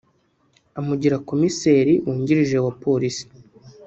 amugira Komiseri wungirije wa Polisi